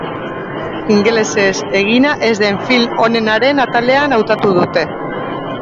Ingelesez egina ez den film onenaren atalean hautatu dute.